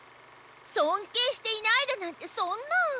そんけいしていないだなんてそんな。